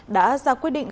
đã ra quyết định